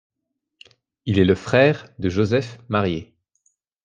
Il est le frère de Joseph Marier.